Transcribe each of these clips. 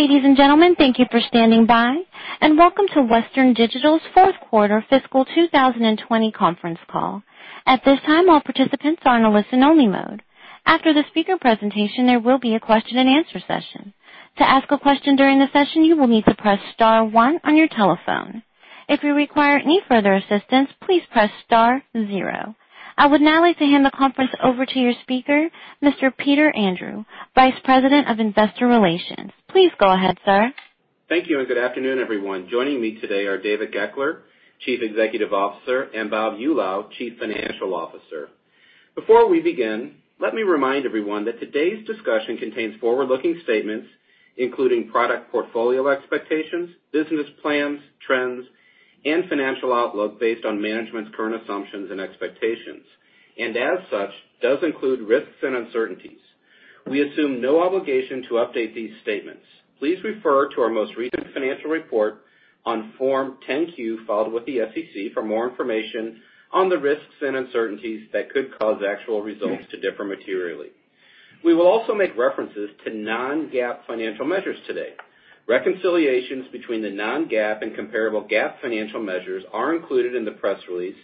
Ladies and gentlemen, thank you for standing by, and welcome to Western Digital's fourth quarter fiscal 2020 conference call. At this time, all participants are in a listen-only mode. After the speaker presentation, there will be a question-and-answer session. To ask a question during the session, you will need to press star one on your telephone. If you require any further assistance, please press star zero. I would now like to hand the conference over to your speaker, Mr. Peter Andrew, Vice President of Investor Relations. Please go ahead, sir. Thank you, and good afternoon everyone? Joining me today are David Goeckeler, Chief Executive Officer, and Bob Eulau, Chief Financial Officer. Before we begin, let me remind everyone that today's discussion contains forward-looking statements, including product portfolio expectations, business plans, trends, and financial outlook based on management's current assumptions and expectations. As such, does include risks and uncertainties. We assume no obligation to update these statements. Please refer to our most recent financial report on Form 10-Q filed with the SEC for more information on the risks and uncertainties that could cause actual results to differ materially. We will also make references to non-GAAP financial measures today. Reconciliations between the non-GAAP and comparable GAAP financial measures are included in the press release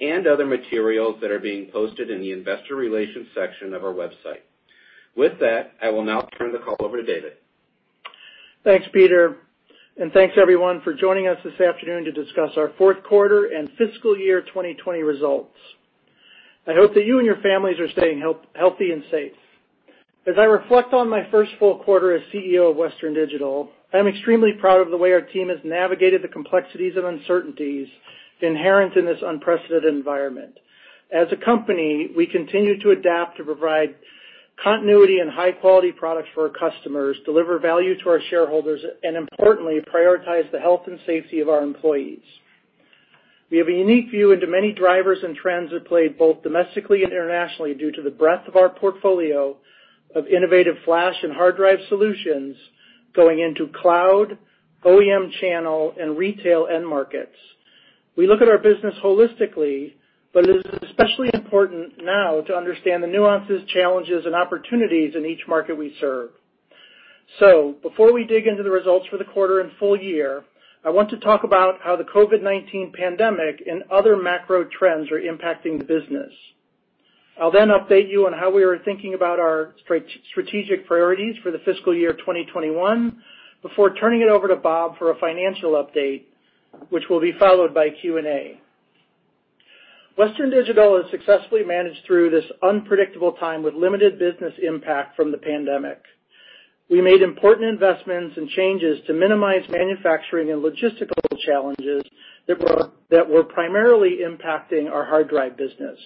and other materials that are being posted in the Investor Relations section of our website. With that, I will now turn the call over to David. Thanks, Peter, and thanks everyone for joining us this afternoon to discuss our fourth quarter and fiscal year 2020 results. I hope that you and your families are staying healthy and safe. As I reflect on my first full quarter as Chief Executive Officer of Western Digital, I'm extremely proud of the way our team has navigated the complexities and uncertainties inherent in this unprecedented environment. As a company, we continue to adapt to provide continuity and high-quality products for our customers, deliver value to our shareholders, and importantly, prioritize the health and safety of our employees. We have a unique view into many drivers and trends at play, both domestically and internationally, due to the breadth of our portfolio of innovative flash and hard drive solutions going into cloud, OEM channel, and retail end markets. We look at our business holistically. It is especially important now to understand the nuances, challenges, and opportunities in each market we serve. Before we dig into the results for the quarter and full year, I want to talk about how the COVID-19 pandemic and other macro trends are impacting the business. I'll update you on how we are thinking about our strategic priorities for the fiscal year 2021 before turning it over to Bob for a financial update, which will be followed by Q&A. Western Digital has successfully managed through this unpredictable time with limited business impact from the pandemic. We made important investments and changes to minimize manufacturing and logistical challenges that were primarily impacting our hard drive business.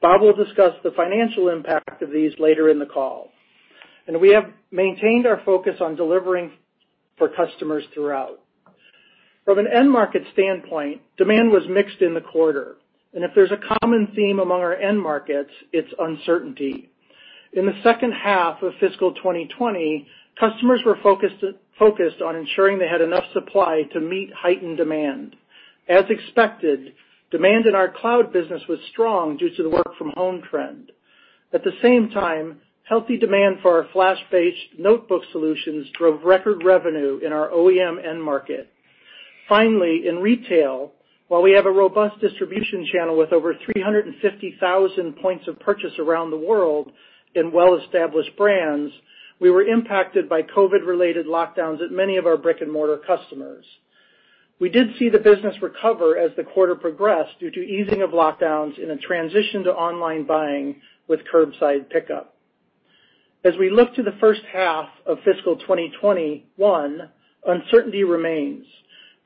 Bob will discuss the financial impact of these later in the call. We have maintained our focus on delivering for customers throughout. From an end market standpoint, demand was mixed in the quarter. If there's a common theme among our end markets, it's uncertainty. In the second half of fiscal 2020, customers were focused on ensuring they had enough supply to meet heightened demand. As expected, demand in our cloud business was strong due to the work-from-home trend. At the same time, healthy demand for our flash-based notebook solutions drove record revenue in our OEM end market. Finally, in retail, while we have a robust distribution channel with over 350,000 points of purchase around the world in well-established brands, we were impacted by COVID-related lockdowns at many of our brick-and-mortar customers. We did see the business recover as the quarter progressed due to easing of lockdowns in a transition to online buying with curbside pickup. As we look to the first half of fiscal 2021, uncertainty remains.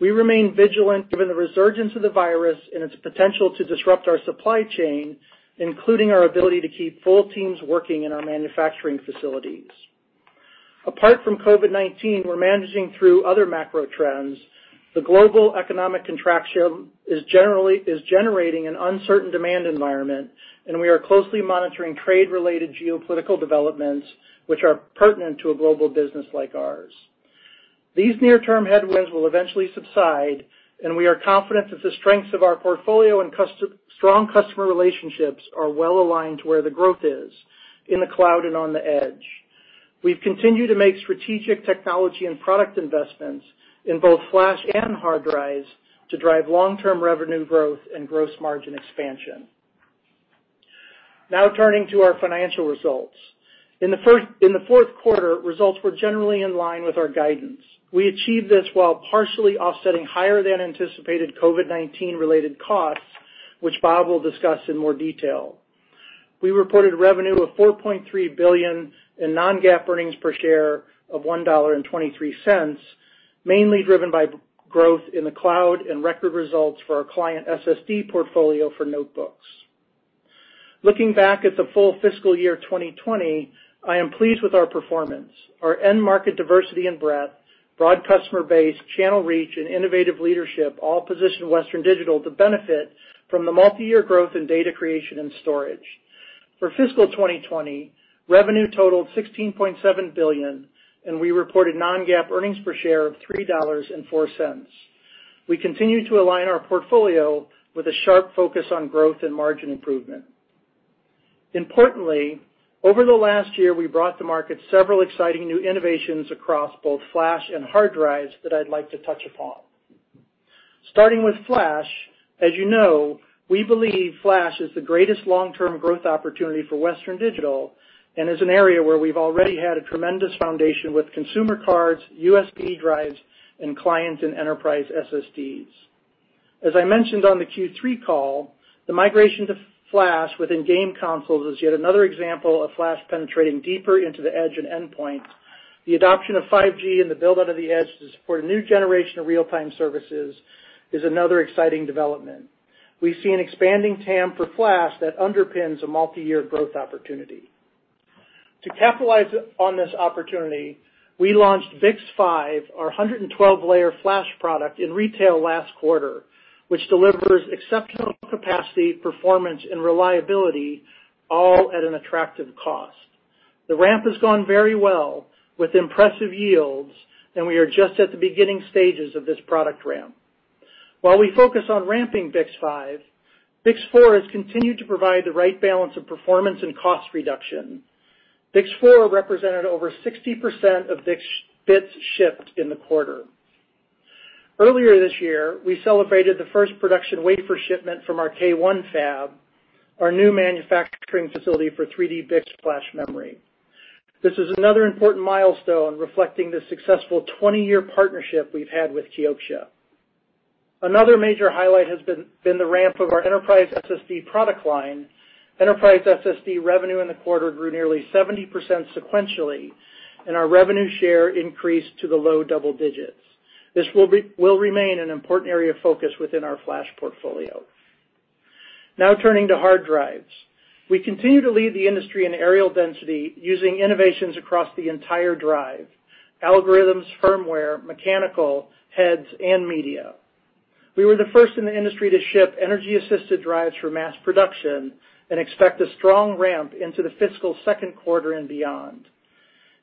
We remain vigilant given the resurgence of the virus and its potential to disrupt our supply chain, including our ability to keep full teams working in our manufacturing facilities. Apart from COVID-19, we're managing through other macro trends. The global economic contraction is generating an uncertain demand environment, and we are closely monitoring trade-related geopolitical developments which are pertinent to a global business like ours. These near-term headwinds will eventually subside, and we are confident that the strengths of our portfolio and strong customer relationships are well-aligned to where the growth is, in the cloud and on the edge. We've continued to make strategic technology and product investments in both flash and hard drives to drive long-term revenue growth and gross margin expansion. Now turning to our financial results. In the fourth quarter, results were generally in line with our guidance. We achieved this while partially offsetting higher than anticipated COVID-19 related costs, which Bob will discuss in more detail. We reported revenue of $4.3 billion in non-GAAP earnings per share of $1.23, mainly driven by growth in the cloud and record results for our client SSD portfolio for notebooks. Looking back at the full fiscal year 2020, I am pleased with our performance. Our end market diversity and breadth, broad customer base, channel reach, and innovative leadership all position Western Digital to benefit from the multiyear growth in data creation and storage. For fiscal 2020, revenue totaled $16.7 billion, and we reported non-GAAP earnings per share of $3.04. We continue to align our portfolio with a sharp focus on growth and margin improvement. Importantly, over the last year, we brought to market several exciting new innovations across both flash and hard drives that I'd like to touch upon. Starting with flash, as you know, we believe flash is the greatest long-term growth opportunity for Western Digital, and is an area where we've already had a tremendous foundation with consumer cards, USB drives, and client and enterprise SSDs. As I mentioned on the Q3 call, the migration to flash within game consoles is yet another example of flash penetrating deeper into the edge and endpoint. The adoption of 5G and the build-out of the edge to support a new generation of real-time services is another exciting development. We see an expanding TAM for flash that underpins a multi-year growth opportunity. To capitalize on this opportunity, we launched BiCS5, our 112-layer flash product, in retail last quarter, which delivers exceptional capacity, performance, and reliability, all at an attractive cost. The ramp has gone very well, with impressive yields, and we are just at the beginning stages of this product ramp. While we focus on ramping BiCS5, BiCS4 has continued to provide the right balance of performance and cost reduction. BiCS4 represented over 60% of bits shipped in the quarter. Earlier this year, we celebrated the first production wafer shipment from our K1 fab, our new manufacturing facility for 3D BiCS flash memory. This is another important milestone reflecting the successful 20-year partnership we've had with Kioxia. Another major highlight has been the ramp of our enterprise SSD product line. Enterprise SSD revenue in the quarter grew nearly 70% sequentially, and our revenue share increased to the low double digits. This will remain an important area of focus within our flash portfolio. Turning to hard drives. We continue to lead the industry in areal density using innovations across the entire drive, algorithms, firmware, mechanical, heads, and media. We were the first in the industry to ship energy-assisted drives for mass production and expect a strong ramp into the fiscal second quarter and beyond.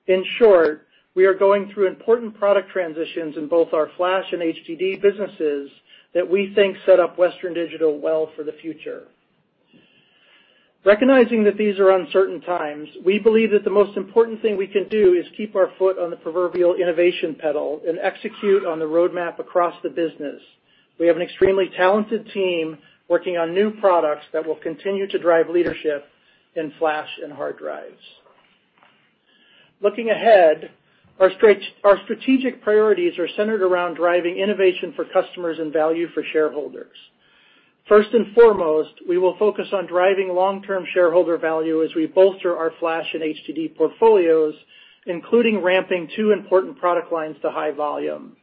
In short, we are going through important product transitions in both our flash and HDD businesses that we think set up Western Digital well for the future. Recognizing that these are uncertain times, we believe that the most important thing we can do is keep our foot on the proverbial innovation pedal and execute on the roadmap across the business. We have an extremely talented team working on new products that will continue to drive leadership in flash and hard drives. Looking ahead, our strategic priorities are centered around driving innovation for customers and value for shareholders. First and foremost, we will focus on driving long-term shareholder value as we bolster our flash and HDD portfolios, including ramping two important product lines to high volume,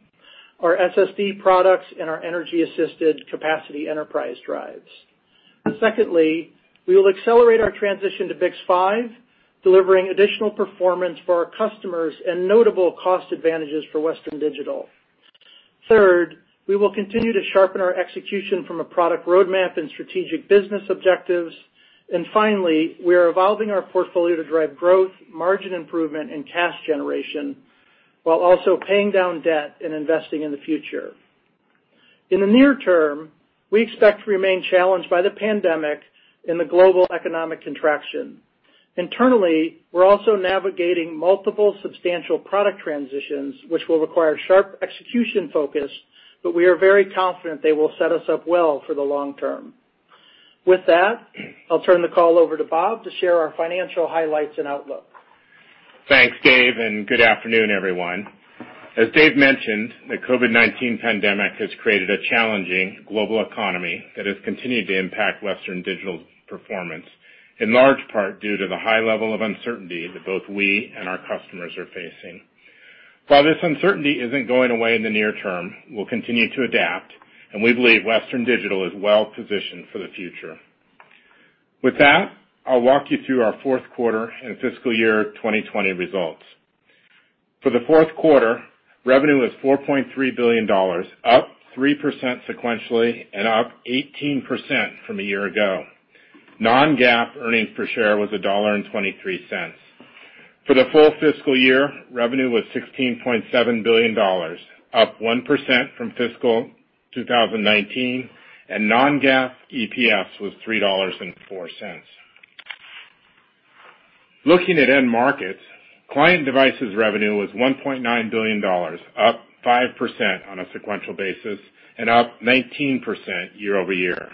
our SSD products and our energy-assisted capacity enterprise drives. Secondly, we will accelerate our transition to BiCS5, delivering additional performance for our customers and notable cost advantages for Western Digital. Third, we will continue to sharpen our execution from a product roadmap and strategic business objectives. Finally, we are evolving our portfolio to drive growth, margin improvement, and cash generation while also paying down debt and investing in the future. In the near term, we expect to remain challenged by the pandemic and the global economic contraction. Internally, we're also navigating multiple substantial product transitions, which will require sharp execution focus, but we are very confident they will set us up well for the long term. With that, I'll turn the call over to Bob to share our financial highlights and outlook. Thanks, David. Good afternoon, everyone? As David mentioned, the COVID-19 pandemic has created a challenging global economy that has continued to impact Western Digital's performance, in large part due to the high level of uncertainty that both we and our customers are facing. While this uncertainty isn't going away in the near term, we'll continue to adapt, and we believe Western Digital is well-positioned for the future. With that, I'll walk you through our fourth quarter and fiscal year 2020 results. For the fourth quarter, revenue was $4.3 billion, up 3% sequentially and up 18% from a year ago. Non-GAAP earnings per share was $1.23. For the full fiscal year, revenue was $16.7 billion, up 1% from fiscal 2019, and non-GAAP EPS was $3.04. Looking at end markets, Client Devices revenue was $1.9 billion, up 5% on a sequential basis and up 19% year-over-year.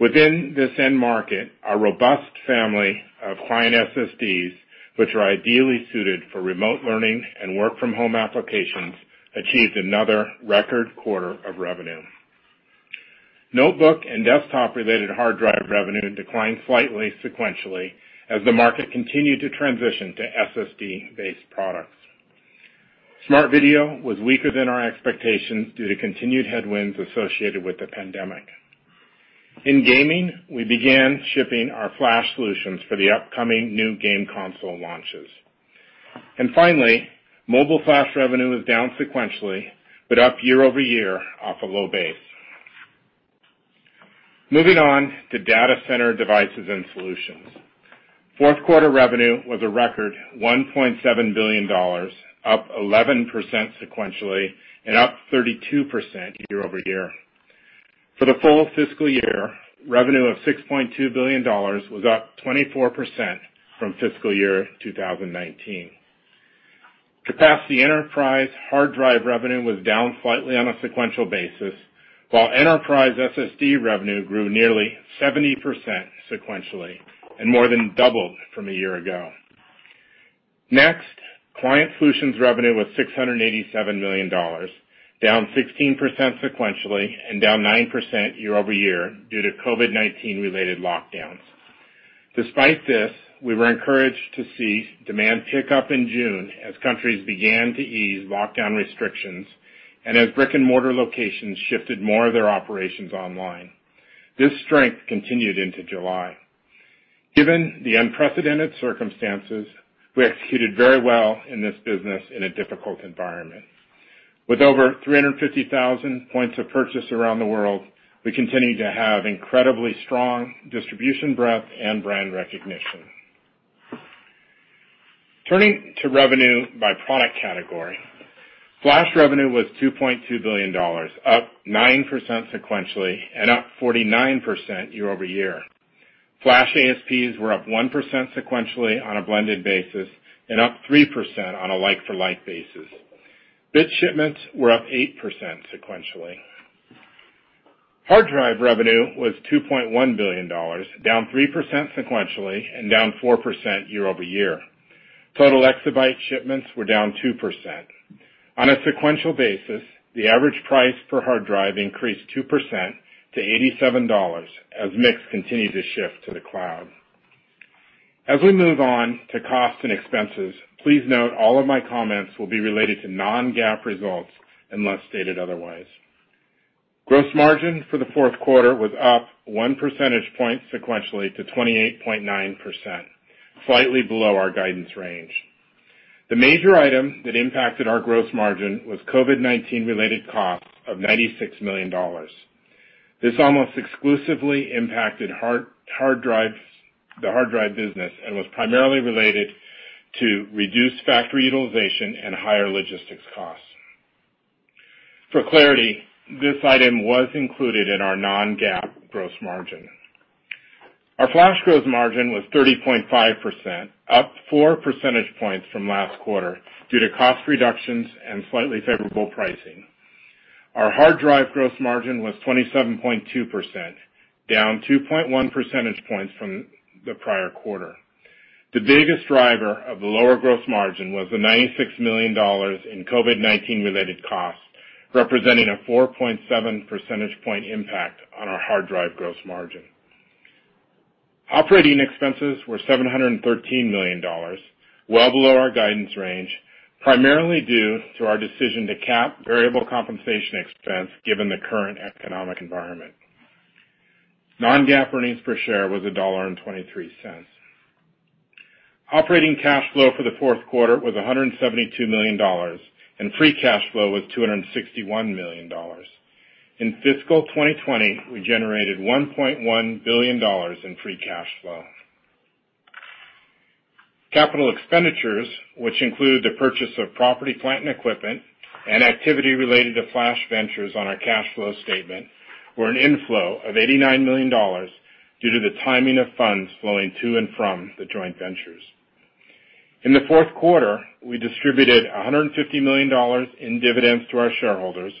Within this end market, our robust family of client SSDs, which are ideally suited for remote learning and work-from-home applications, achieved another record quarter of revenue. Notebook and desktop-related hard drive revenue declined slightly sequentially as the market continued to transition to SSD-based products. Smart Video was weaker than our expectations due to continued headwinds associated with the pandemic. In gaming, we began shipping our flash solutions for the upcoming new game console launches. Finally, mobile flash revenue was down sequentially, but up year-over-year off a low base. Moving on to data center devices and solutions. Fourth-quarter revenue was a record $1.7 billion, up 11% sequentially and up 32% year-over-year. For the full fiscal year, revenue of $6.2 billion was up 24% from fiscal year 2019. Capacity enterprise hard drive revenue was down slightly on a sequential basis, while enterprise SSD revenue grew nearly 70% sequentially and more than doubled from a year ago. Client Solutions revenue was $687 million, down 16% sequentially and down 9% year-over-year due to COVID-19 related lockdowns. Despite this, we were encouraged to see demand pick up in June as countries began to ease lockdown restrictions and as brick-and-mortar locations shifted more of their operations online. This strength continued into July. Given the unprecedented circumstances, we executed very well in this business in a difficult environment. With over 350,000 points of purchase around the world, we continue to have incredibly strong distribution breadth and brand recognition. Turning to revenue by product category. Flash revenue was $2.2 billion, up 9% sequentially and up 49% year-over-year. Flash ASPs were up 1% sequentially on a blended basis and up 3% on a like-for-like basis. Bit shipments were up 8% sequentially. Hard drive revenue was $2.1 billion, down 3% sequentially and down 4% year-over-year. Total exabyte shipments were down 2%. On a sequential basis, the average price per hard drive increased 2% to $87 as mix continued to shift to the cloud. As we move on to costs and expenses, please note all of my comments will be related to non-GAAP results unless stated otherwise. Gross margin for the fourth quarter was up one percentage point sequentially to 28.9%, slightly below our guidance range. The major item that impacted our gross margin was COVID-19 related costs of $96 million. This almost exclusively impacted the hard drive business and was primarily related to reduced factory utilization and higher logistics costs. For clarity, this item was included in our non-GAAP gross margin. Our flash gross margin was 30.5%, up four percentage points from last quarter due to cost reductions and slightly favorable pricing. Our hard drive gross margin was 27.2%, down 2.1 percentage points from the prior quarter. The biggest driver of the lower gross margin was the $96 million in COVID-19 related costs, representing a 4.7 percentage point impact on our hard drive gross margin. Operating expenses were $713 million, well below our guidance range, primarily due to our decision to cap variable compensation expense, given the current economic environment. Non-GAAP earnings per share was $1.23. Operating cash flow for the fourth quarter was $172 million, and free cash flow was $261 million. In fiscal 2020, we generated $1.1 billion in free cash flow. Capital expenditures, which include the purchase of property, plant, and equipment and activity related to flash joint ventures on our cash flow statement, were an inflow of $89 million due to the timing of funds flowing to and from the joint ventures. In the fourth quarter, we distributed $150 million in dividends to our shareholders,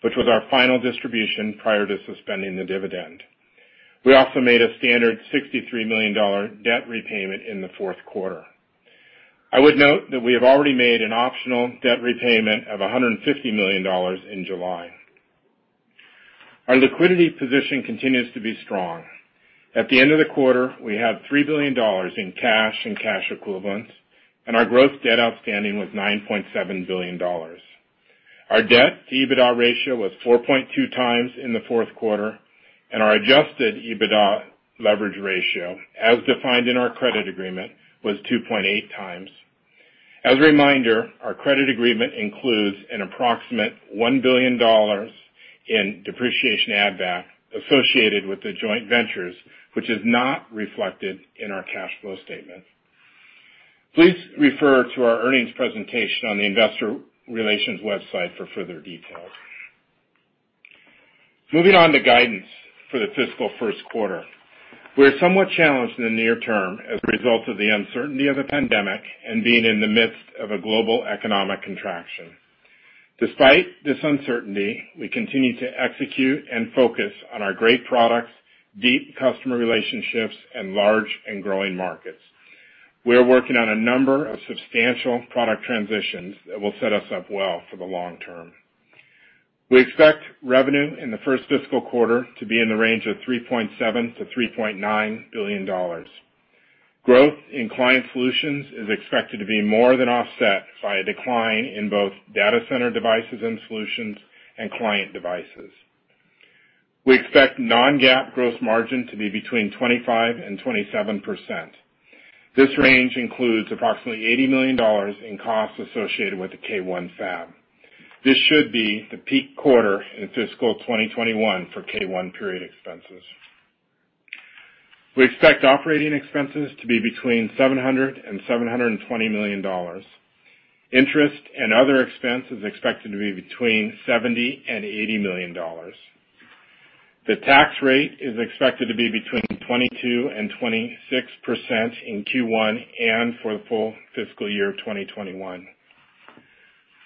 which was our final distribution prior to suspending the dividend. We also made a standard $63 million debt repayment in the fourth quarter. I would note that we have already made an optional debt repayment of $150 million in July. Our liquidity position continues to be strong. At the end of the quarter, we had $3 billion in cash and cash equivalents, and our gross debt outstanding was $9.7 billion. Our debt-to-EBITDA ratio was 4.2x in the fourth quarter, and our adjusted EBITDA leverage ratio, as defined in our credit agreement, was 2.8x. As a reminder, our credit agreement includes an approximate $1 billion in depreciation add back associated with the joint ventures, which is not reflected in our cash flow statement. Please refer to our earnings presentation on the investor relations website for further details. Moving on to guidance for the fiscal first quarter. We are somewhat challenged in the near term as a result of the uncertainty of the pandemic and being in the midst of a global economic contraction. Despite this uncertainty, we continue to execute and focus on our great products, deep customer relationships, and large and growing markets. We are working on a number of substantial product transitions that will set us up well for the long term. We expect revenue in the first fiscal quarter to be in the range of $3.7 billion-$3.9 billion. Growth in Client Solutions is expected to be more than offset by a decline in both Data Center Devices and Solutions and Client Devices. We expect non-GAAP gross margin to be between 25% and 27%. This range includes approximately $80 million in costs associated with the K1 fab. This should be the peak quarter in fiscal 2021 for K1 period expenses. We expect operating expenses to be between $700 million and $720 million. Interest and other expense is expected to be between $70 million and $80 million. The tax rate is expected to be between 22% and 26% in Q1, and for the full fiscal year of 2021.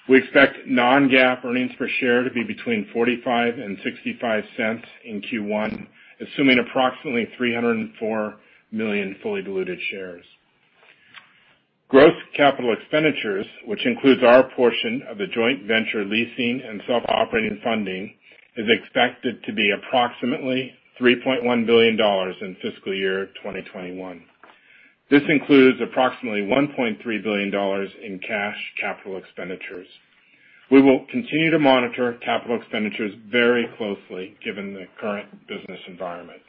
We expect non-GAAP earnings per share to be between $0.45 and $0.65 in Q1, assuming approximately 304 million fully diluted shares. Gross CapEx, which includes our portion of the joint venture leasing and self-operating funding, is expected to be approximately $3.1 billion in fiscal year 2021. This includes approximately $1.3 billion in cash CapEx. We will continue to monitor CapEx very closely given the current business environment.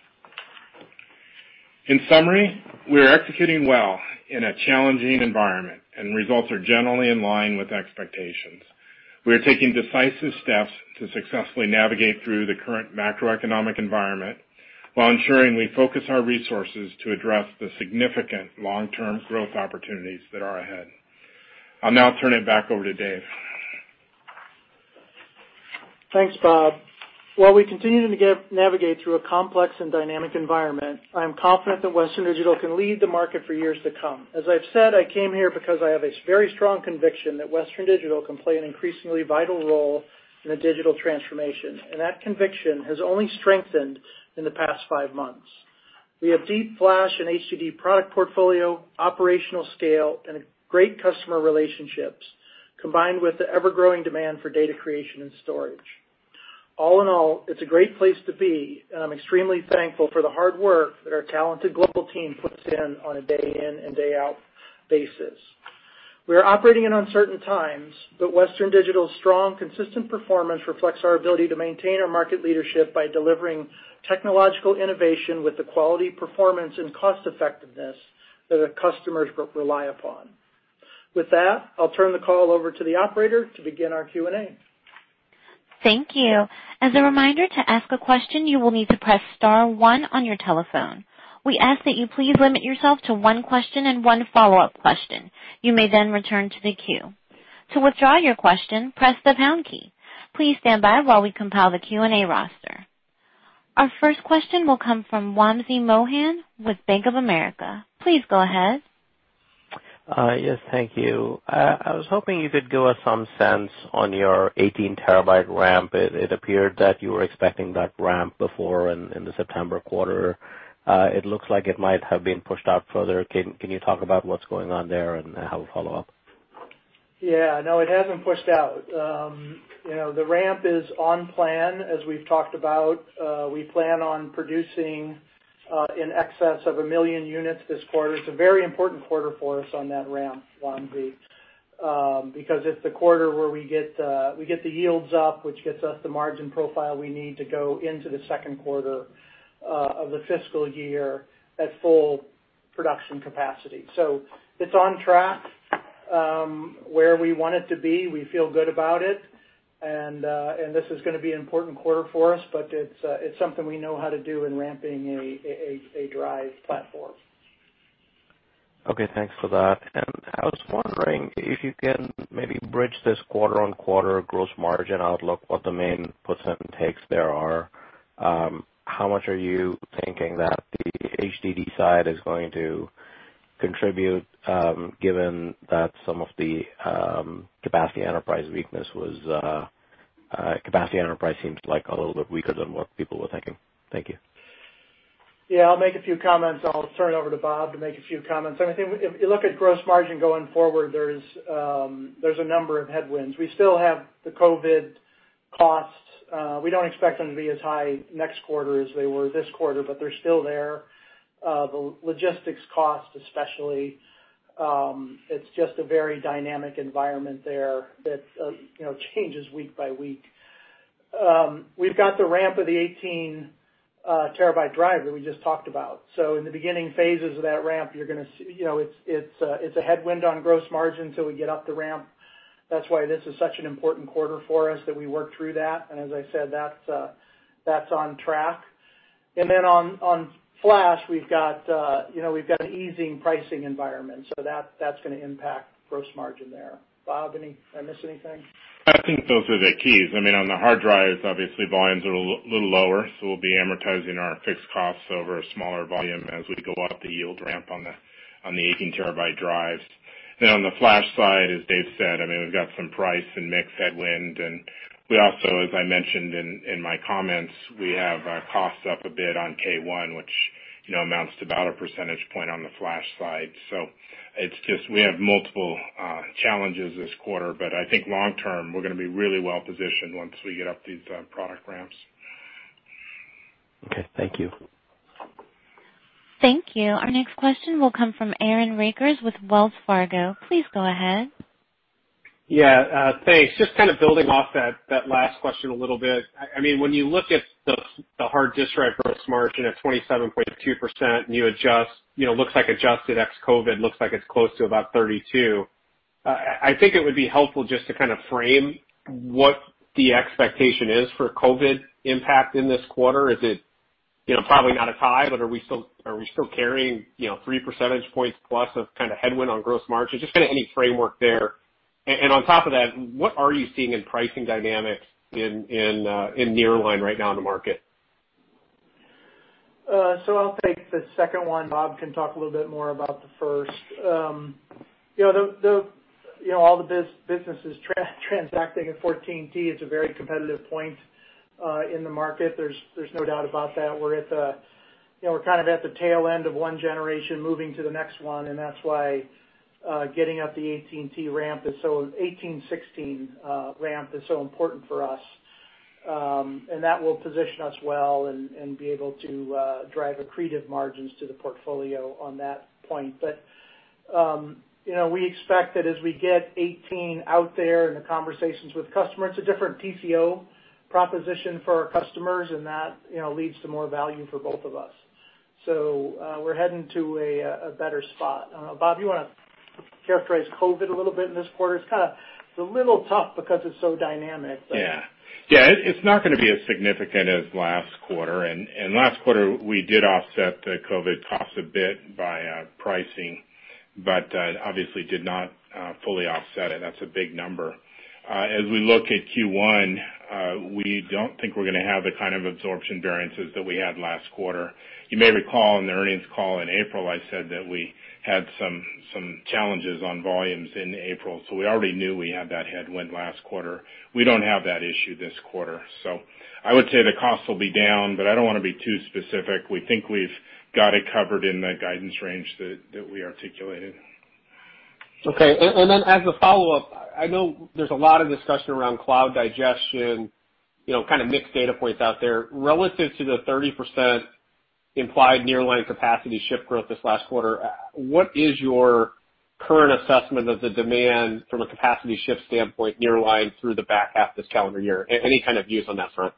In summary, we are executing well in a challenging environment, and results are generally in line with expectations. We are taking decisive steps to successfully navigate through the current macroeconomic environment, while ensuring we focus our resources to address the significant long-term growth opportunities that are ahead. I'll now turn it back over to David. Thanks, Bob. While we continue to navigate through a complex and dynamic environment, I am confident that Western Digital can lead the market for years to come. As I've said, I came here because I have a very strong conviction that Western Digital can play an increasingly vital role in the digital transformation, and that conviction has only strengthened in the past five months. We have deep flash and HDD product portfolio, operational scale, and great customer relationships, combined with the ever-growing demand for data creation and storage. All in all, it's a great place to be, and I'm extremely thankful for the hard work that our talented global team puts in on a day in and day out basis. We are operating in uncertain times. Western Digital's strong, consistent performance reflects our ability to maintain our market leadership by delivering technological innovation with the quality, performance, and cost-effectiveness that our customers rely upon. With that, I'll turn the call over to the operator to begin our Q&A. Thank you. As a reminder, to ask a question, you will need to press star one on your telephone. We ask that you please limit yourself to one question and one follow-up question. You may return to the queue. To withdraw your question, press the pound key. Please stand by while we compile the Q&A roster. Our first question will come from Wamsi Mohan with Bank of America, please go ahead. Yes, thank you. I was hoping you could give us some sense on your 18-TB ramp. It appeared that you were expecting that ramp before in the September quarter. It looks like it might have been pushed out further. Can you talk about what's going on there and I have a follow-up. Yeah. No, it hasn't pushed out. The ramp is on plan. As we've talked about, we plan on producing in excess of a million units this quarter. It's a very important quarter for us on that ramp, Wamsi, because it's the quarter where we get the yields up, which gets us the margin profile we need to go into the second quarter of the fiscal year at full production capacity. It's on track, where we want it to be. We feel good about it. This is going to be an important quarter for us, but it's something we know how to do in ramping a drive platform. Okay. Thanks for that. I was wondering if you can maybe bridge this quarter-on-quarter gross margin outlook, what the main puts and takes there are. How much are you thinking that the HDD side is going to contribute, given that some of the capacity enterprise seems like a little bit weaker than what people were thinking. Thank you. Yeah. I'll make a few comments. I'll turn it over to Bob to make a few comments. I think if you look at gross margin going forward, there's a number of headwinds. We still have the COVID costs. We don't expect them to be as high next quarter as they were this quarter, but they're still there. The logistics cost especially. It's just a very dynamic environment there that changes week by week. We've got the ramp of the 18-TB drive that we just talked about. In the beginning phases of that ramp, it's a headwind on gross margin till we get up the ramp. That's why this is such an important quarter for us that we work through that. As I said, that's on track. On flash, we've got an easing pricing environment, so that's going to impact gross margin there. Bob, did I miss anything? I think those are the keys. On the hard drives, obviously volumes are a little lower, so we'll be amortizing our fixed costs over a smaller volume as we go up the yield ramp on the 18-TB drives. On the flash side, as David said, we've got some price and mix headwind, and we also, as I mentioned in my comments, we have our costs up a bit on K1, which amounts to about a percentage point on the flash side. It's just we have multiple challenges this quarter, but I think long-term, we're going to be really well-positioned once we get up these product ramps. Okay. Thank you. Thank you. Our next question will come from Aaron Rakers with Wells Fargo, please go ahead. Yeah. Thanks. Just kind of building off that last question a little bit. When you look at the hard disk drive gross margin at 27.2% and it looks like adjusted ex-COVID-19 looks like it's close to about 32%. I think it would be helpful just to kind of frame what the expectation is for COVID-19 impact in this quarter. Is it probably not a tie, but are we still carrying three percentage points plus of kind of headwind on gross margin? Just any framework there. On top of that, what are you seeing in pricing dynamics in nearline right now in the market? I'll take the second one. Bob can talk a little bit more about the first. All the businesses transacting at 14T. It's a very competitive point in the market. There's no doubt about that. We're kind of at the tail end of one generation moving to the next one. That's why getting up the 18, 16 ramp is so important for us. That will position us well and be able to drive accretive margins to the portfolio on that point. We expect that as we get 18 out there in the conversations with customers, it's a different TCO proposition for our customers. That leads to more value for both of us. We're heading to a better spot. Bob, you want to characterize COVID a little bit in this quarter? It's a little tough because it's so dynamic. It's not going to be as significant as last quarter. Last quarter we did offset the COVID-19 cost a bit by pricing, obviously did not fully offset it. That's a big number. We look at Q1, we don't think we're going to have the kind of absorption variances that we had last quarter. You may recall in the earnings call in April, I said that we had some challenges on volumes in April, we already knew we had that headwind last quarter. We don't have that issue this quarter. I would say the cost will be down, I don't want to be too specific. We think we've got it covered in the guidance range that we articulated. Okay. As a follow-up, I know there's a lot of discussion around cloud digestion, kind of mixed data points out there. Relative to the 30% implied nearline capacity ship growth this last quarter, what is your current assessment of the demand from a capacity ship standpoint nearline through the back half of this calendar year? Any kind of views on that front?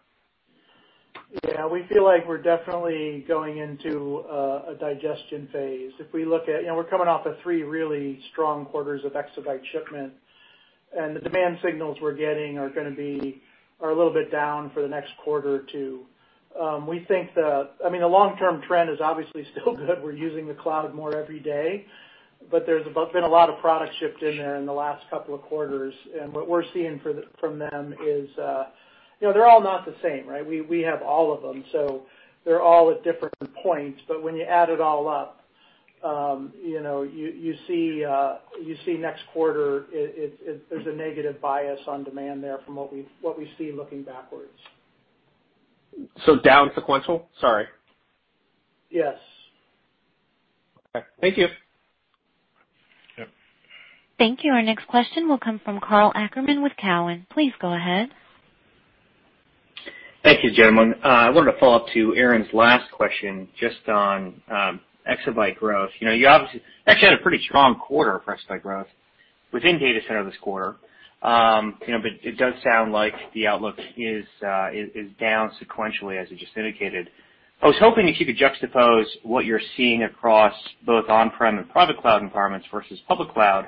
Yeah. We feel like we're definitely going into a digestion phase. We're coming off of three really strong quarters of exabyte shipment, and the demand signals we're getting are a little bit down for the next quarter or two quarters. The long-term trend is obviously still good. We're using the cloud more every day, but there's been a lot of product shipped in there in the last couple of quarters, and what we're seeing from them is they're all not the same, right? We have all of them, so they're all at different points, but when you add it all up, you see next quarter, there's a negative bias on demand there from what we see looking backwards. Down sequential? Sorry. Yes. Okay. Thank you. Yep. Thank you. Our next question will come from Karl Ackerman with Cowen, please go ahead. Thank you, gentlemen. I wanted to follow up to Aaron's last question just on exabyte growth. You obviously actually had a pretty strong quarter for exabyte growth within data center this quarter. It does sound like the outlook is down sequentially, as you just indicated. I was hoping if you could juxtapose what you're seeing across both on-prem and private cloud environments versus public cloud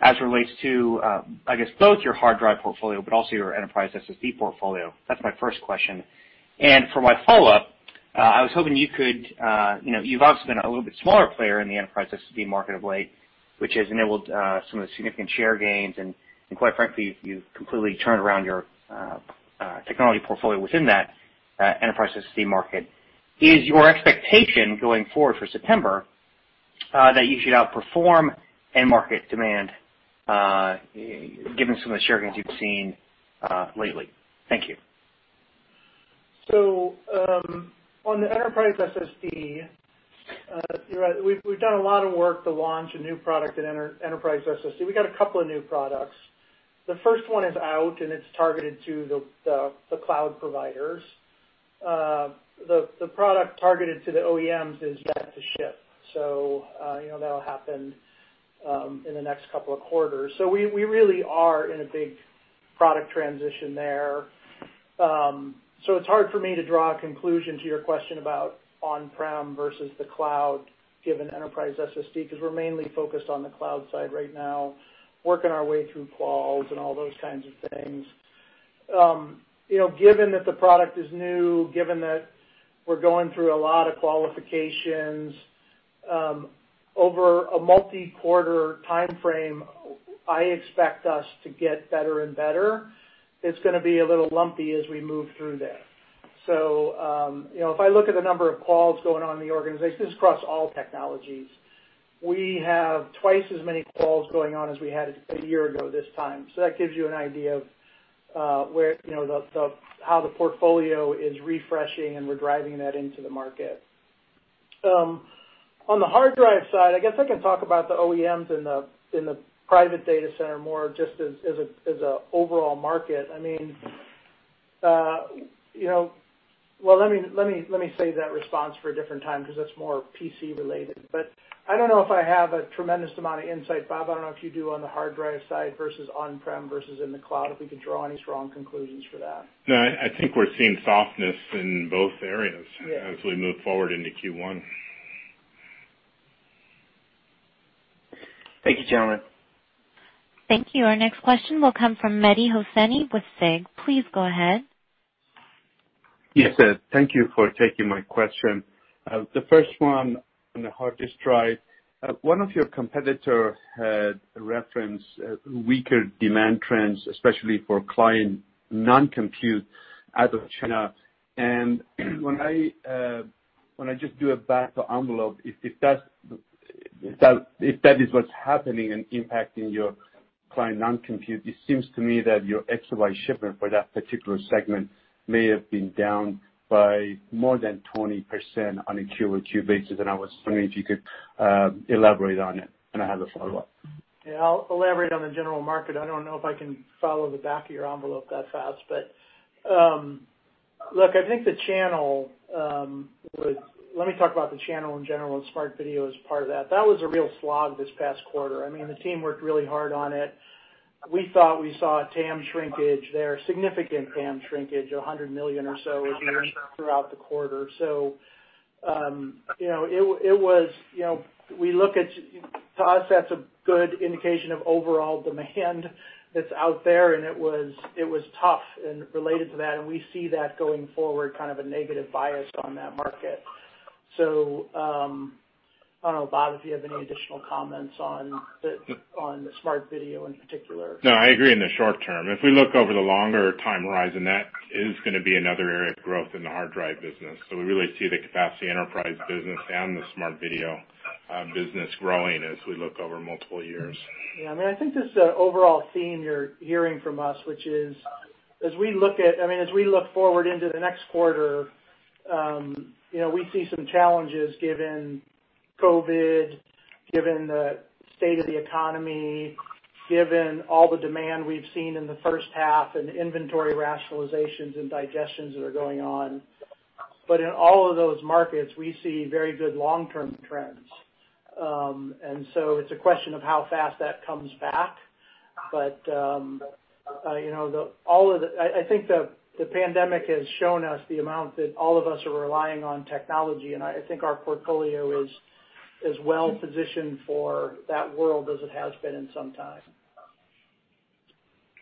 as relates to, I guess, both your hard drive portfolio, but also your enterprise SSD portfolio. That's my first question. For my follow-up, You've obviously been a little bit smaller player in the enterprise SSD market of late, which has enabled some of the significant share gains, and quite frankly, you've completely turned around your technology portfolio within that enterprise SSD market. Is your expectation going forward for September that you should outperform end market demand given some of the share gains you've seen lately? Thank you. On the enterprise SSD, we've done a lot of work to launch a new product in enterprise SSD. We got two new products. The first one is out, and it's targeted to the cloud providers. The product targeted to the OEMs is yet to ship, so that'll happen in the next two quarters. We really are in a big product transition there. It's hard for me to draw a conclusion to your question about on-prem versus the cloud given enterprise SSD, because we're mainly focused on the cloud side right now, working our way through quals and all those kinds of things. Given that the product is new, given that we're going through a lot of qualifications, over a multi-quarter timeframe, I expect us to get better and better. It's going to be a little lumpy as we move through that. If I look at the number of quals going on in the organization, this is across all technologies, we have twice as many quals going on as we had a year ago this time. So that gives you an idea of how the portfolio is refreshing and re-driving that into the market. On the hard drive side, I guess I can talk about the OEMs in the private data center more just as an overall market. Let me save that response for a different time because that's more PC related. I don't know if I have a tremendous amount of insight. Bob, I don't know if you do on the hard drive side versus on-prem versus in the cloud, if we could draw any strong conclusions for that. No, I think we're seeing softness in both areas. Yeah As we move forward into Q1. Thank you, gentlemen. Thank you. Our next question will come from Mehdi Hosseini with SIG, please go ahead. Yes. Thank you for taking my question. The first one on the hard disk drive. One of your competitor had referenced weaker demand trends, especially for client non-compute out of China. When I just do a back-of-envelope, if that is what's happening and impacting your client non-compute, it seems to me that your exabyte shipment for that particular segment may have been down by more than 20% on a Q-over-Q basis. I was wondering if you could elaborate on it. I have a follow-up. Yeah, I'll elaborate on the general market. I don't know if I can follow the back of your envelope that fast, but look, let me talk about the channel in general, and smart video as part of that. That was a real slog this past quarter. The team worked really hard on it. We thought we saw TAM shrinkage there, significant TAM shrinkage, $100 million or so was missing throughout the quarter. To us, that's a good indication of overall demand that's out there, and it was tough and related to that, and we see that going forward, kind of a negative bias on that market. I don't know, Bob, if you have any additional comments on the smart video in particular. No, I agree in the short term. If we look over the longer time horizon, that is going to be another area of growth in the hard drive business. We really see the capacity enterprise business and the Smart Video business growing as we look over multiple years. Yeah. I think this is an overall theme you're hearing from us, which is, as we look forward into the next quarter, we see some challenges given COVID, given the state of the economy, given all the demand we've seen in the first half, and inventory rationalizations and digestions that are going on. In all of those markets, we see very good long-term trends. It's a question of how fast that comes back. I think the pandemic has shown us the amount that all of us are relying on technology, and I think our portfolio is as well-positioned for that world as it has been in some time.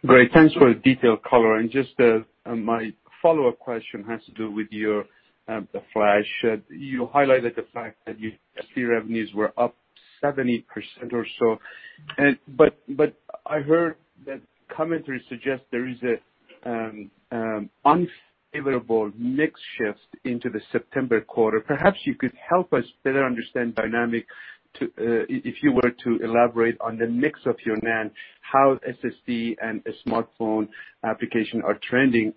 Great. Thanks for the detailed color. Just my follow-up question has to do with your flash. You highlighted the fact that your SSD revenues were up 70% or so. I heard that commentary suggests there is an unfavorable mix shift into the September quarter. Perhaps you could help us better understand dynamics, if you were to elaborate on the mix of your NAND, how SSD and smartphone application are trending.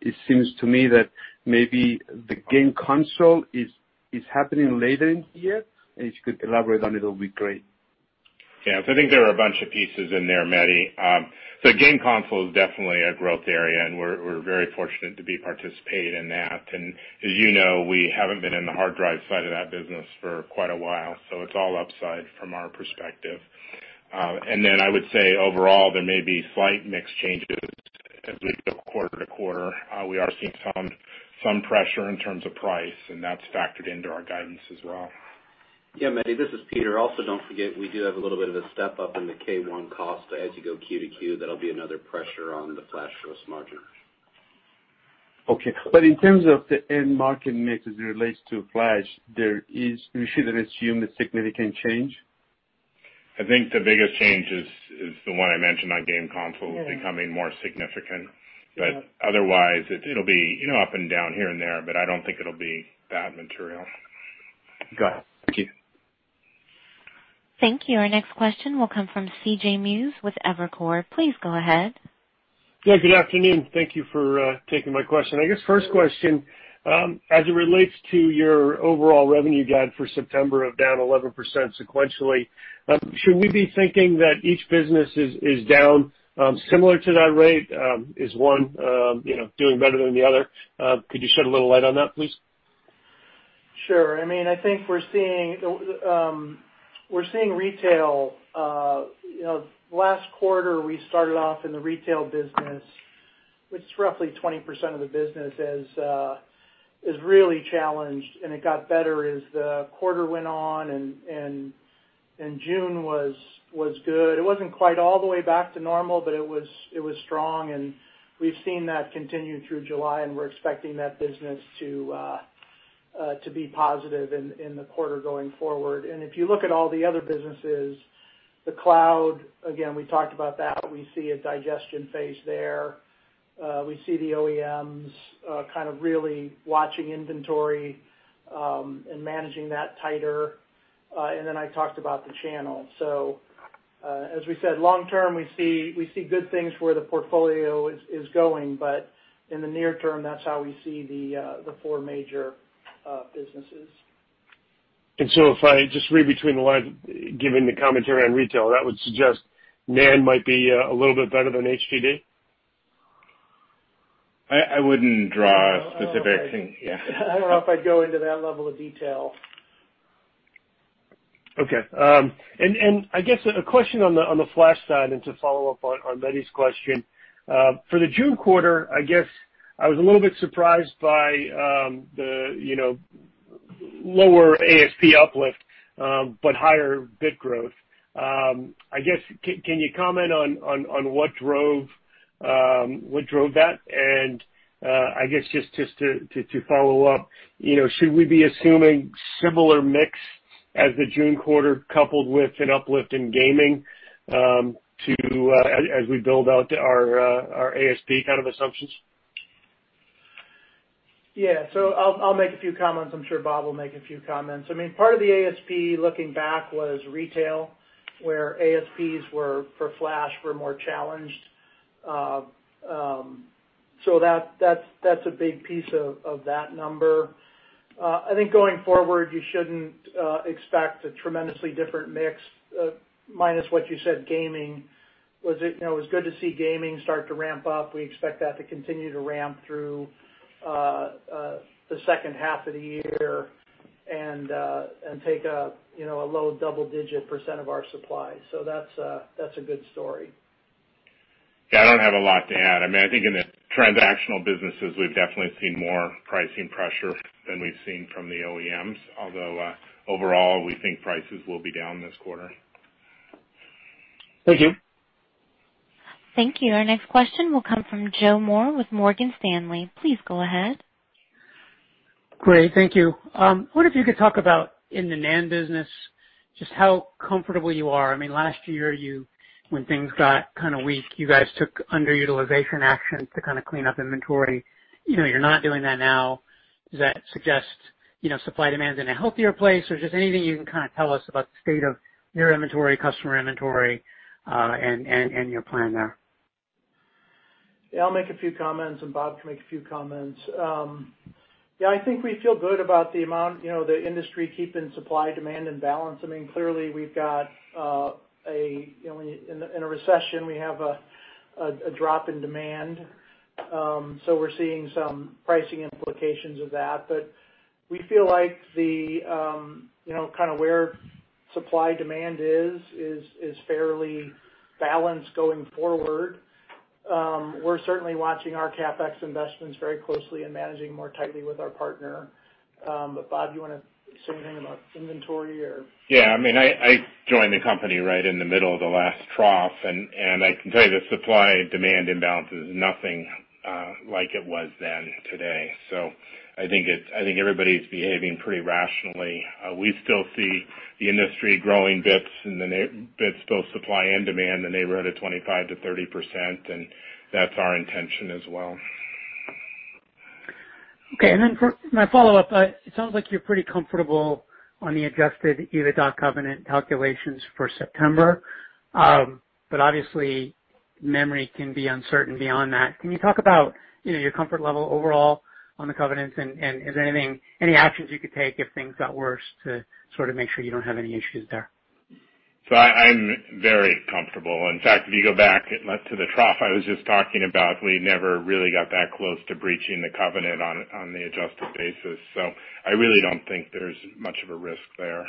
It seems to me that maybe the game console is happening later in the year, and if you could elaborate on it'll be great. Yeah. I think there are a bunch of pieces in there, Mehdi. Game console is definitely a growth area, and we're very fortunate to be participating in that. As you know, we haven't been in the hard drive side of that business for quite a while, so it's all upside from our perspective. I would say overall, there may be slight mix changes as we go quarter-to-quarter. We are seeing some pressure in terms of price, and that's factored into our guidance as well. Yeah, Mehdi, this is Peter. Also, don't forget, we do have a little bit of a step-up in the K1 cost as you go Q-to-Q. That'll be another pressure on the flash gross margin. Okay. In terms of the end market mix as it relates to flash, we shouldn't assume a significant change? I think the biggest change is the one I mentioned on game console becoming more significant. Otherwise, it'll be up and down here and there, but I don't think it'll be that material. Got it. Thank you. Thank you. Our next question will come from C.J. Muse with Evercore, please go ahead. Yeah, good afternoon. Thank you for taking my question. I guess first question, as it relates to your overall revenue guide for September of down 11% sequentially, should we be thinking that each business is down similar to that rate? Is one doing better than the other? Could you shed a little light on that, please? Sure. Last quarter, we started off in the retail business, which is roughly 20% of the business, as really challenged. It got better as the quarter went on. June was good. It wasn't quite all the way back to normal. It was strong. We've seen that continue through July. We're expecting that business to be positive in the quarter going forward. If you look at all the other businesses, the cloud, again, we talked about that. We see a digestion phase there. We see the OEMs kind of really watching inventory and managing that tighter. I talked about the channel. As we said, long-term, we see good things where the portfolio is going. In the near term, that's how we see the four major businesses. If I just read between the lines, given the commentary on retail, that would suggest NAND might be a little bit better than HDD? I wouldn't draw a specific- I don't know if I'd go into that level of detail. Okay. I guess a question on the flash side, to follow up on Mehdi's question. For the June quarter, I guess I was a little bit surprised by the lower ASP uplift, but higher bit growth. I guess, can you comment on what drove that? I guess just to follow up, should we be assuming similar mix as the June quarter coupled with an uplift in gaming as we build out our ASP kind of assumptions? Yeah. I'll make a few comments. I'm sure Bob will make a few comments. Part of the ASP, looking back, was retail, where ASPs for flash were more challenged. I think going forward, you shouldn't expect a tremendously different mix, minus what you said, gaming. It was good to see gaming start to ramp up. We expect that to continue to ramp through the second half of the year and take a low double-digit % of our supply. That's a good story. Yeah, I don't have a lot to add. I think in the transactional businesses, we've definitely seen more pricing pressure than we've seen from the OEMs, although overall, we think prices will be down this quarter. Thank you. Thank you. Our next question will come from Joe Moore with Morgan Stanley, please go ahead. Great. Thank you. I wonder if you could talk about, in the NAND business, just how comfortable you are? Last year, when things got kind of weak, you guys took underutilization actions to kind of clean up inventory. You're not doing that now. Does that suggest supply demand is in a healthier place, or just anything you can kind of tell us about the state of your inventory, customer inventory, and your plan there? I'll make a few comments, and Bob can make a few comments. I think we feel good about the amount the industry keeping supply-demand in balance. Clearly, in a recession, we have a drop in demand, we're seeing some pricing implications of that. We feel like kind of where supply-demand is fairly balanced going forward. We're certainly watching our CapEx investments very closely and managing more tightly with our partner. Bob, you want to say anything about inventory or? Yeah, I joined the company right in the middle of the last trough. I can tell you the supply-demand imbalance is nothing like it was then today. I think everybody's behaving pretty rationally. We still see the industry growing bits, both supply and demand, in the neighborhood of 25%-30%. That's our intention as well. Okay, for my follow-up, it sounds like you're pretty comfortable on the adjusted EBITDA covenant calculations for September. Obviously, memory can be uncertain beyond that. Can you talk about your comfort level overall on the covenants, and any actions you could take if things got worse to sort of make sure you don't have any issues there? I'm very comfortable. In fact, if you go back to the trough I was just talking about, we never really got that close to breaching the covenant on the adjusted basis. I really don't think there's much of a risk there.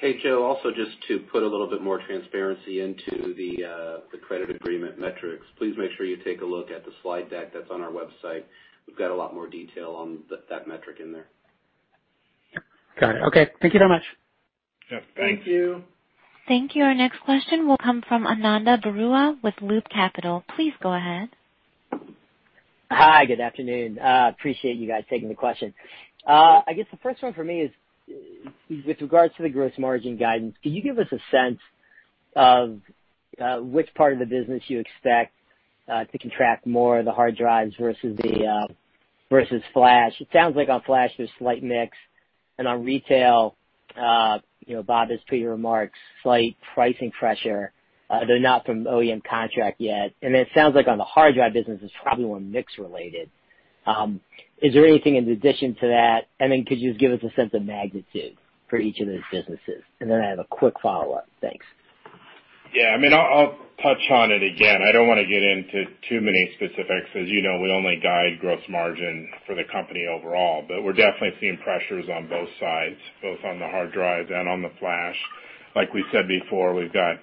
Hey, Joe, also, just to put a little bit more transparency into the credit agreement metrics, please make sure you take a look at the slide deck that's on our website. We've got a lot more detail on that metric in there. Got it. Okay. Thank you very much. Yeah. Thank you. Thank you. Our next question will come from Ananda Baruah with Loop Capital, please go ahead. Hi, good afternoon? Appreciate you guys taking the question. I guess the first one for me is with regards to the gross margin guidance. Can you give us a sense of which part of the business you expect to contract more, the hard drives versus flash? It sounds like on flash, there's slight mix, and on retail, Bob, as per your remarks, slight pricing pressure. They're not from OEM contract yet. It sounds like on the hard drive business, it's probably more mix related. Is there anything in addition to that? Could you just give us a sense of magnitude for each of those businesses? I have a quick follow-up. Thanks. Yeah. I'll touch on it again. I don't want to get into too many specifics, as you know we only guide gross margin for the company overall. We're definitely seeing pressures on both sides, both on the hard drive and on the flash. Like we said before, we've got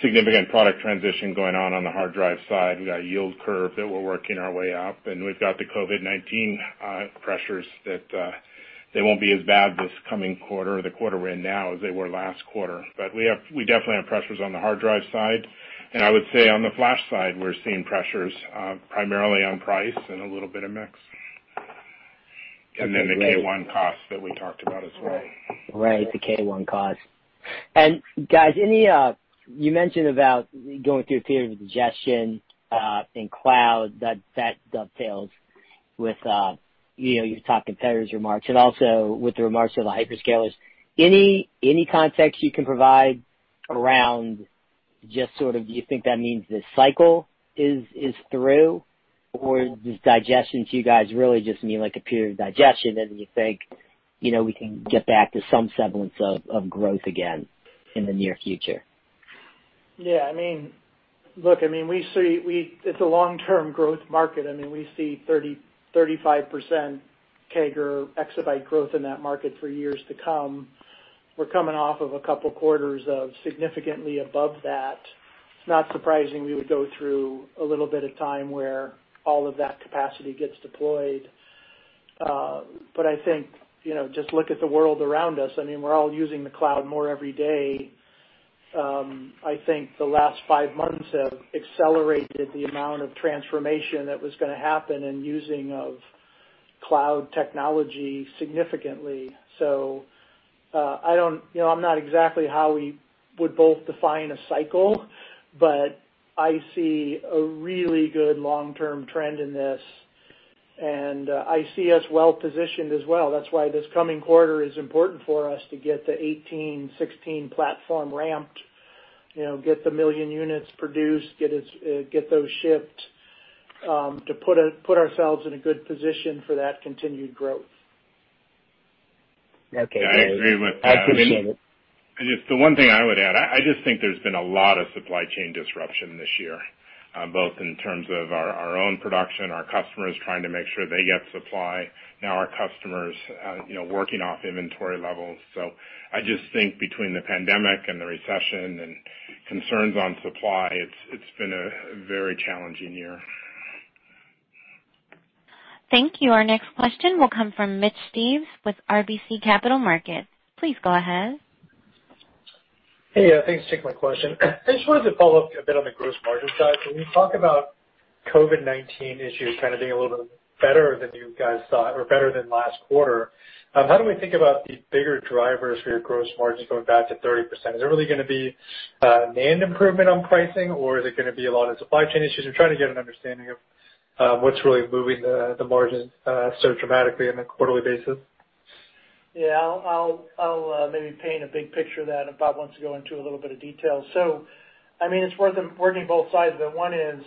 significant product transition going on on the hard drive side. We got a yield curve that we're working our way up, we've got the COVID-19 pressures that they won't be as bad this coming quarter, the quarter we're in now, as they were last quarter. We definitely have pressures on the hard drive side. I would say on the flash side, we're seeing pressures primarily on price and a little bit of mix. Then the K1 costs that we talked about as well. Right. The K1 cost. Guys, you mentioned about going through a period of digestion in cloud, that dovetails with your top competitor's remarks and also with the remarks of the hyperscalers. Any context you can provide around just sort of, do you think that means this cycle is through? Or does digestion to you guys really just mean like a period of digestion, and you think we can get back to some semblance of growth again in the near future? Yeah. Look, it's a long-term growth market. We see 35% CAGR exabyte growth in that market for years to come. We're coming off of a couple of quarters of significantly above that. It's not surprising we would go through a little bit of time where all of that capacity gets deployed. I think, just look at the world around us. We're all using the cloud more every day. I think the last five months have accelerated the amount of transformation that was going to happen and using of cloud technology significantly. I'm not exactly how we would both define a cycle, but I see a really good long-term trend in this, and I see us well-positioned as well. That's why this coming quarter is important for us to get the 18/16 platform ramped, get the million units produced, get those shipped, to put ourselves in a good position for that continued growth. Okay. I agree with that. I appreciate it. Just the one thing I would add, I just think there's been a lot of supply chain disruption this year, both in terms of our own production, our customers trying to make sure they get supply, now our customers working off inventory levels. I just think between the pandemic and the recession and concerns on supply, it's been a very challenging year. Thank you. Our next question will come from Mitch Steves with RBC Capital Markets, please go ahead. Hey. Yeah, thanks for taking my question. I just wanted to follow up a bit on the gross margin side. When you talk about COVID-19 issues kind of being a little bit better than you guys thought or better than last quarter, how do we think about the bigger drivers for your gross margin going back to 30%? Is it really going to be NAND improvement on pricing, or is it going to be a lot of supply chain issues? I'm trying to get an understanding of what's really moving the margin so dramatically on a quarterly basis. Yeah. I'll maybe paint a big picture of that, if Bob wants to go into a little bit of detail. It's working both sides of it. One is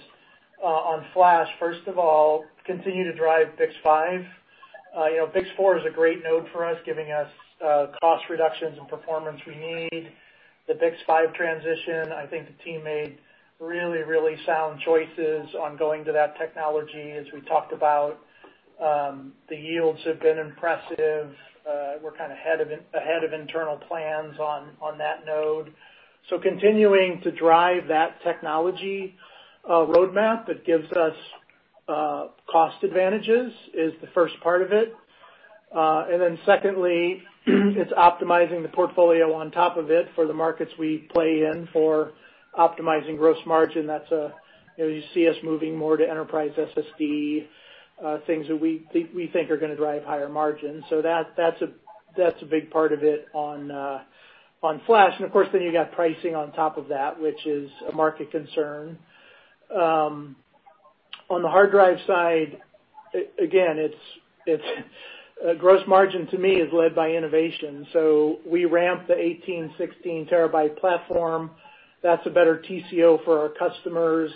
on flash, first of all, continue to drive BiCS5. BiCS4 is a great node for us, giving us cost reductions and performance we need. The BiCS5 transition, I think the team made really sound choices on going to that technology, as we talked about. The yields have been impressive. We're kind of ahead of internal plans on that node. Continuing to drive that technology roadmap that gives us cost advantages is the first part of it. Secondly, it's optimizing the portfolio on top of it for the markets we play in for optimizing gross margin. You see us moving more to enterprise SSD, things that we think are going to drive higher margins. That's a big part of it on flash. Of course, then you got pricing on top of that, which is a market concern. On the hard drive side, again, gross margin to me is led by innovation. We ramped the 18/16-TB platform. That's a better TCO for our customers.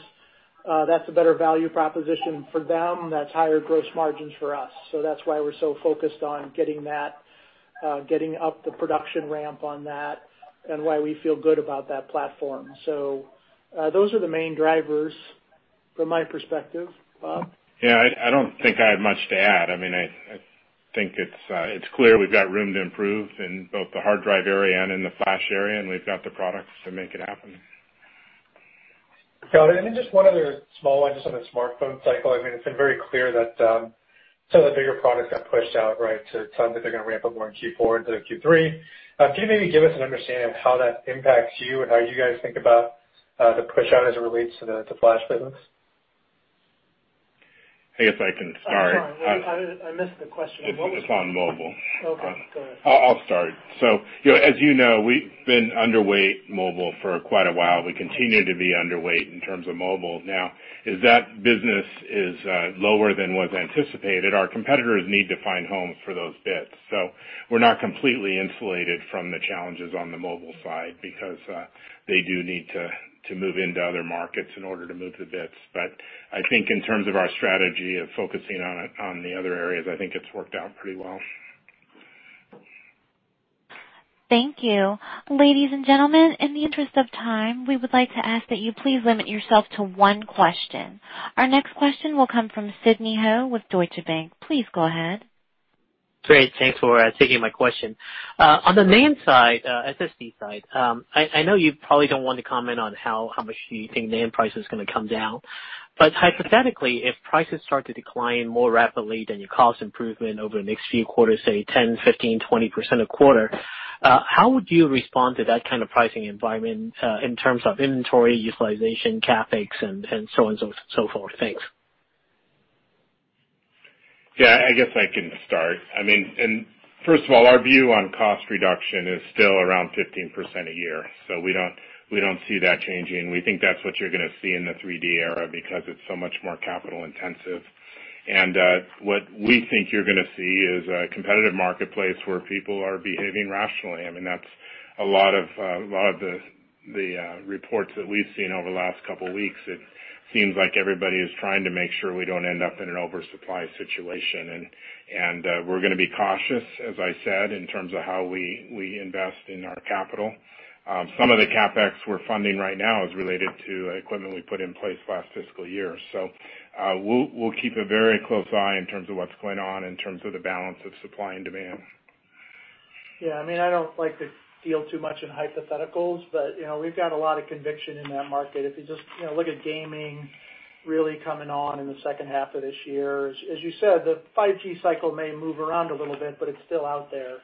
That's a better value proposition for them. That's higher gross margins for us. That's why we're so focused on getting up the production ramp on that and why we feel good about that platform. Those are the main drivers from my perspective. Bob? Yeah, I don't think I have much to add. I think it's clear we've got room to improve in both the hard drive area and in the flash area, and we've got the products to make it happen. Got it. Then just one other small one, just on the smartphone cycle. It's been very clear that some of the bigger products got pushed out to some that they're going to ramp up more in Q4 into Q3. Can you maybe give us an understanding of how that impacts you and how you guys think about the pushout as it relates to the flash business? I guess I can start. Sorry. I missed the question. It's on mobile. Okay. Go ahead. I'll start. As you know, we've been underweight mobile for quite a while. We continue to be underweight in terms of mobile. As that business is lower than was anticipated, our competitors need to find homes for those bits. We're not completely insulated from the challenges on the mobile side because they do need to move into other markets in order to move the bits. I think in terms of our strategy of focusing on the other areas, I think it's worked out pretty well. Thank you. Ladies and gentlemen, in the interest of time, we would like to ask that you please limit yourself to one question. Our next question will come from Sidney Ho with Deutsche Bank, please go ahead. Great. Thanks for taking my question. On the NAND side, SSD side, I know you probably don't want to comment on how much you think NAND price is going to come down. Hypothetically, if prices start to decline more rapidly than your cost improvement over the next few quarters, say 10%, 15%, 20% a quarter, how would you respond to that kind of pricing environment in terms of inventory utilization, CapEx, and so on and so forth? Thanks. Yeah, I guess I can start. First of all, our view on cost reduction is still around 15% a year. We don't see that changing. We think that's what you're going to see in the 3D era because it's so much more capital intensive. What we think you're going to see is a competitive marketplace where people are behaving rationally. That's a lot of the reports that we've seen over the last couple of weeks. Seems like everybody is trying to make sure we don't end up in an oversupply situation, and we're going to be cautious, as I said, in terms of how we invest in our capital. Some of the CapEx we're funding right now is related to equipment we put in place last fiscal year. We'll keep a very close eye in terms of what's going on, in terms of the balance of supply and demand. Yeah. I don't like to deal too much in hypotheticals, but we've got a lot of conviction in that market. If you just look at gaming really coming on in the second half of this year. As you said, the 5G cycle may move around a little bit, but it's still out there.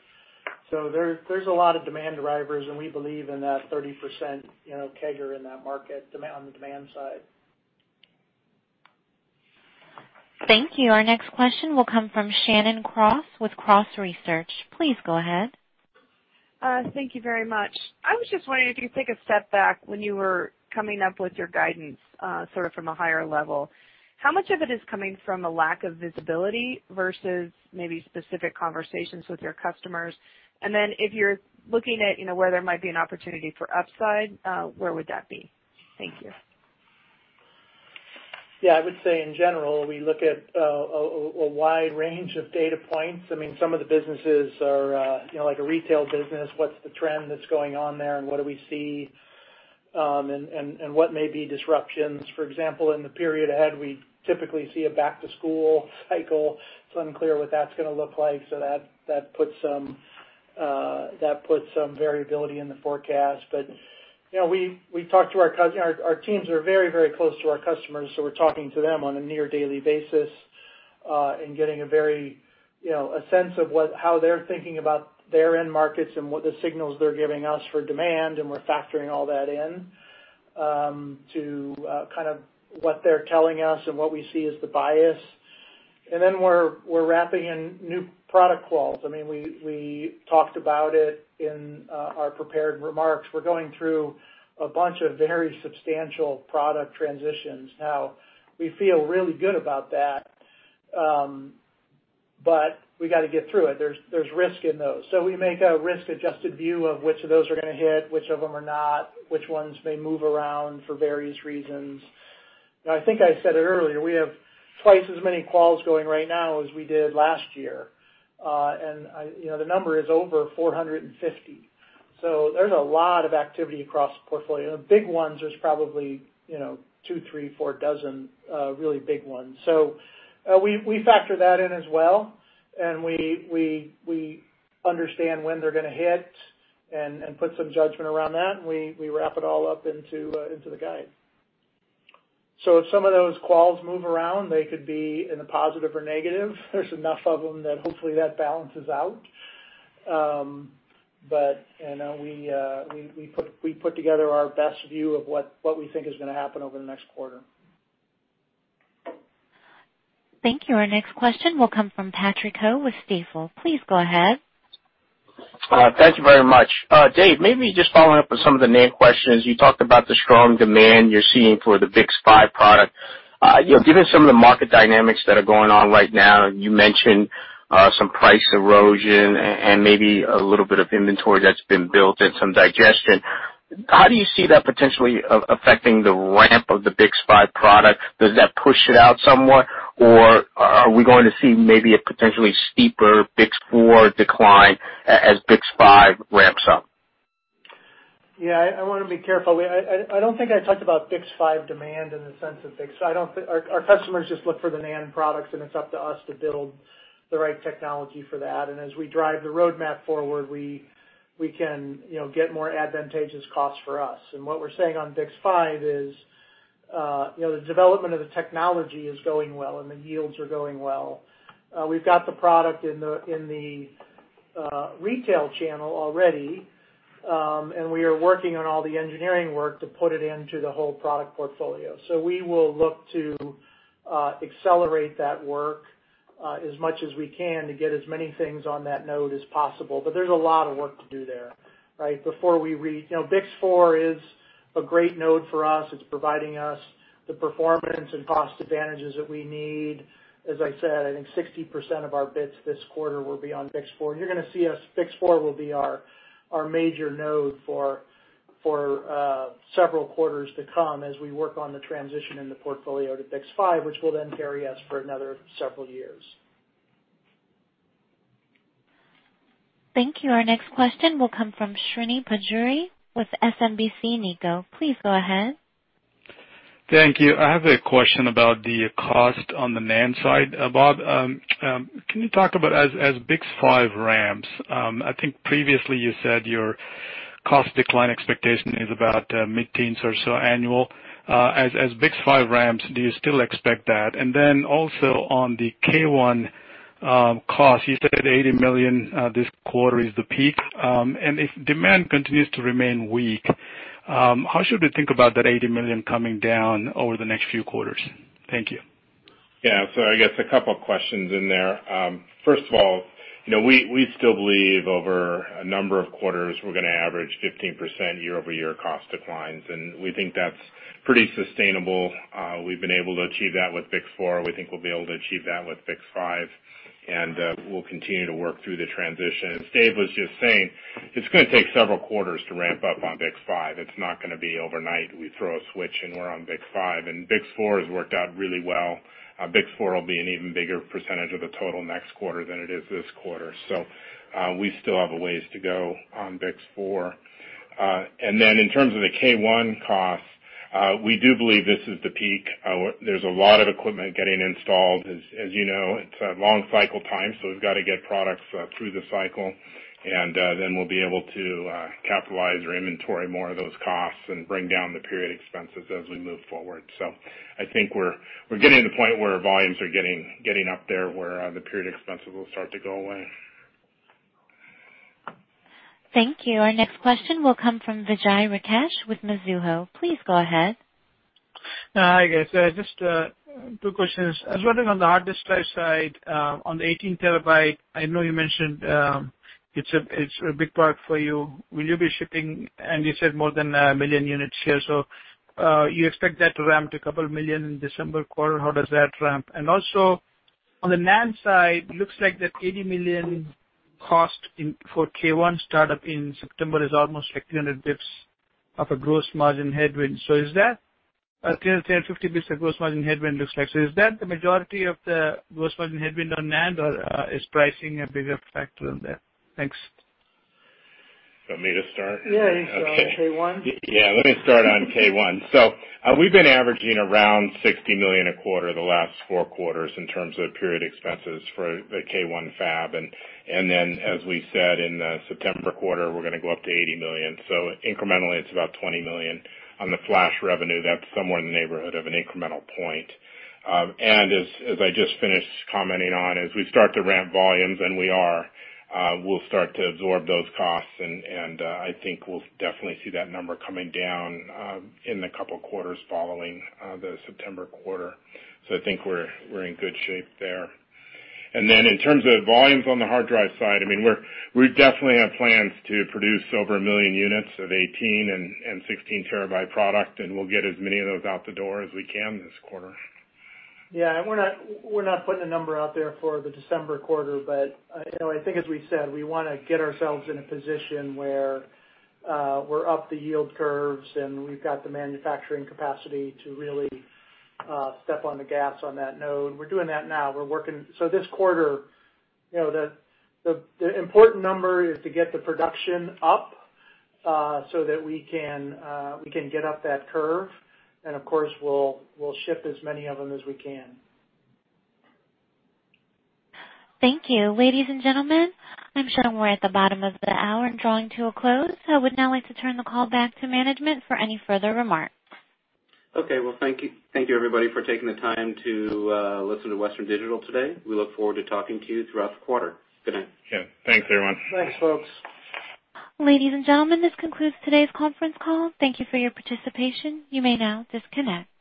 There's a lot of demand drivers, and we believe in that 30% CAGR in that market on the demand side. Thank you. Our next question will come from Shannon Cross with Cross Research, please go ahead. Thank you very much. I was just wondering if you take a step back when you were coming up with your guidance, sort of from a higher level, how much of it is coming from a lack of visibility versus maybe specific conversations with your customers? If you're looking at where there might be an opportunity for upside, where would that be? Thank you. Yeah. I would say in general, we look at a wide range of data points. Some of the businesses are like a retail business. What's the trend that's going on there, and what do we see? What may be disruptions? For example, in the period ahead, we typically see a back-to-school cycle. It's unclear what that's going to look like, so that puts some variability in the forecast. Our teams are very close to our customers, so we're talking to them on a near-daily basis, and getting a sense of how they're thinking about their end markets and what the signals they're giving us for demand, and we're factoring all that in to kind of what they're telling us and what we see as the bias. We're wrapping in new product quals. We talked about it in our prepared remarks. We're going through a bunch of very substantial product transitions. We feel really good about that, but we got to get through it. There's risk in those. We make a risk-adjusted view of which of those are going to hit, which of them are not, which ones may move around for various reasons. I think I said it earlier, we have twice as many quals going right now as we did last year. The number is over 450. There's a lot of activity across the portfolio. Big ones, there's probably two, three, four dozen really big ones. We factor that in as well, and we understand when they're going to hit and put some judgment around that, and we wrap it all up into the guide. If some of those quals move around, they could be in a positive or negative. There's enough of them that hopefully that balances out. We put together our best view of what we think is going to happen over the next quarter. Thank you. Our next question will come from Patrick Ho with Stifel, please go ahead. Thank you very much. David, maybe just following up with some of the NAND questions. You talked about the strong demand you're seeing for the BiCS5 product. Given some of the market dynamics that are going on right now, and you mentioned some price erosion and maybe a little bit of inventory that's been built and some digestion, how do you see that potentially affecting the ramp of the BiCS5 product? Does that push it out somewhat, or are we going to see maybe a potentially steeper BiCS4 decline as BiCS5 ramps up? Yeah, I want to be careful. I don't think I talked about BiCS5 demand in the sense of BiCS. Our customers just look for the NAND products, and it's up to us to build the right technology for that. As we drive the roadmap forward, we can get more advantageous costs for us. What we're saying on BiCS5 is, the development of the technology is going well and the yields are going well. We've got the product in the retail channel already, and we are working on all the engineering work to put it into the whole product portfolio. We will look to accelerate that work as much as we can to get as many things on that node as possible, but there's a lot of work to do there. BiCS4 is a great node for us. It's providing us the performance and cost advantages that we need. As I said, I think 60% of our bits this quarter will be on BiCS4, and you're going to see as BiCS4 will be our major node for several quarters to come as we work on the transition in the portfolio to BiCS5, which will then carry us for another several years. Thank you. Our next question will come from Srini Pajjuri with SMBC Nikko, please go ahead. Thank you. I have a question about the cost on the NAND side. Bob, can you talk about as BiCS5 ramps, I think previously you said your cost decline expectation is about mid-teens or so annual. As BiCS5 ramps, do you still expect that? Also on the K1 cost, you said $80 million this quarter is the peak. If demand continues to remain weak, how should we think about that $80 million coming down over the next few quarters? Thank you. I guess a couple questions in there. First of all, we still believe over a number of quarters, we're going to average 15% year-over-year cost declines, and we think that's pretty sustainable. We've been able to achieve that with BiCS4. We think we'll be able to achieve that with BiCS5. We'll continue to work through the transition. As David was just saying, it's going to take several quarters to ramp up on BiCS5. It's not going to be overnight, we throw a switch, and we're on BiCS5. BiCS4 has worked out really well. BiCS4 will be an even bigger % of the total next quarter than it is this quarter. We still have a ways to go on BiCS4. In terms of the K1 cost, we do believe this is the peak. There's a lot of equipment getting installed. As you know, it's a long cycle time, so we've got to get products through the cycle, and then we'll be able to capitalize or inventory more of those costs and bring down the period expenses as we move forward. I think we're getting to the point where volumes are getting up there where the period expenses will start to go away. Thank you. Our next question will come from Vijay Rakesh with Mizuho, please go ahead. Hi, guys? Just two questions. As well on the hard disk drive side, on the 18 TB, I know you mentioned it's a big part for you. Will you be shipping, and you said more than a million units here. You expect that to ramp to a couple of million in December quarter. How does that ramp? Also on the NAND side, looks like that $80 million cost for K1 startup in September is almost like 300 basis points of a gross margin headwind. Is that a 50 basis points of gross margin headwind looks like. Is that the majority of the gross margin headwind on NAND, or is pricing a bigger factor in there? Thanks. You want me to start? Yeah, you start on K1. Let me start on K1. We've been averaging around $60 million a quarter the last four quarters in terms of period expenses for the K1 fab. As we said, in the September quarter, we're going to go up to $80 million. Incrementally, it's about $20 million on the flash revenue. That's somewhere in the neighborhood of an incremental point. As I just finished commenting on, as we start to ramp volumes, and we are, we'll start to absorb those costs, and I think we'll definitely see that number coming down in the couple quarters following the September quarter. I think we're in good shape there. In terms of volumes on the hard drive side, we definitely have plans to produce over a million units of 18 TB and 16 TB product, and we'll get as many of those out the door as we can this quarter. Yeah. We're not putting a number out there for the December quarter. I think as we said, we want to get ourselves in a position where we're up the yield curves and we've got the manufacturing capacity to really step on the gas on that node. We're doing that now. This quarter, the important number is to get the production up so that we can get up that curve, and of course, we'll ship as many of them as we can. Thank you. Ladies and gentlemen, I'm sure we're at the bottom of the hour and drawing to a close. I would now like to turn the call back to management for any further remarks. Okay. Well, thank you everybody for taking the time to listen to Western Digital today. We look forward to talking to you throughout the quarter. Good night. Yeah. Thanks, everyone. Thanks, folks. Ladies and gentlemen, this concludes today's conference call. Thank you for your participation, you may now disconnect.